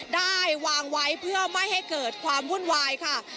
ได้วางไว้เพื่อไม่ให้เกิดความวุ่นวายค่ะ